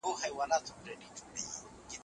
روغتيايي او ښوونيز شرايط د پرمختګ کچه ښيي.